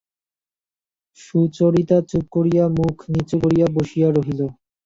সুচরিতা চুপ করিয়া মুখ নিচু করিয়া বসিয়া রহিল।